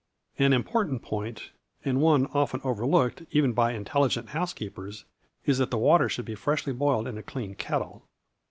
An important point, and one often overlooked even by intelligent housekeepers, is that the water should be freshly boiled in a clean kettle.